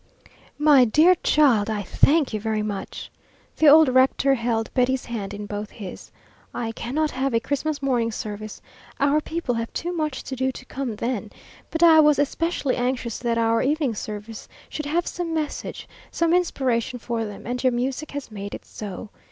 "My dear child, I thank you very much!" The old rector held Betty's hand in both his. "I cannot have a Christmas morning service our people have too much to do to come then but I was especially anxious that our evening service should have some message, some inspiration for them, and your music has made it so.